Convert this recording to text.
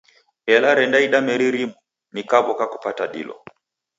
Ela rendaida meri rimu, nikaw'oka kupata dilo.